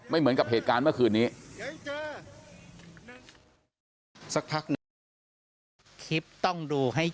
ไม่เหมือนกับเหตุการณ์เมื่อคืนนี้